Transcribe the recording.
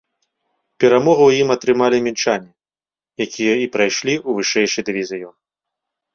Перамогу ў ім атрымалі мінчане, якія і прайшлі ў вышэйшы дывізіён.